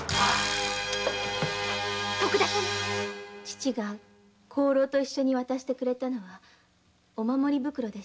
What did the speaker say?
父が香炉と一緒に渡してくれたのはお守り袋でした。